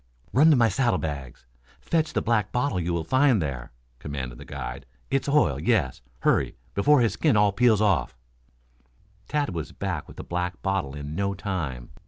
"Run to my saddlebags. Fetch the black bottle you will find there!" commanded the guide. "It's oil, yes. Hurry, before his skin all peels off." Tad was back with the black bottle in no time.